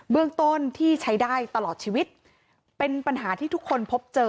เรื่องต้นที่ใช้ได้ตลอดชีวิตเป็นปัญหาที่ทุกคนพบเจอ